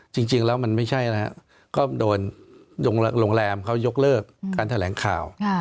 จริงแล้วมันไม่ใช่นะครับก็โดนโรงแรมเขายกเลิกการแถลงข่าว